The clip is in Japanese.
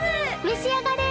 めし上がれ。